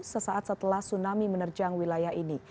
sesaat setelah tsunami menerjang wilayah ini